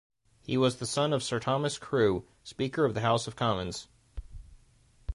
He was the son of Sir Thomas Crewe, Speaker of the House of Commons.